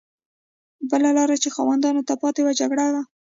بله لار چې خاوندانو ته پاتې وه جګړه وه.